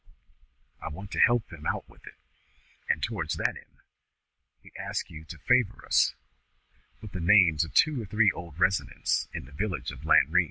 I want to help him out with it, and tewwards that end we ask you to favour us with the names of two or three old residents in the village of Lanrean.